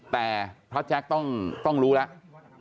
แต่พระอาจารย์ต้องรู้แล้ว